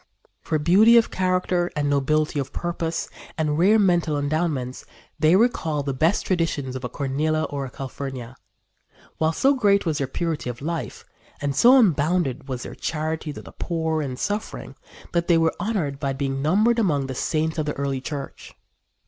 For beauty of character and nobility of purpose and rare mental endowments they recall the best traditions of a Cornelia or a Calphurnia, while so great was their purity of life and so unbounded was their charity to the poor and suffering that they were honored by being numbered among the saints of the early church.